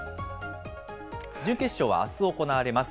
準決勝はあす行われます。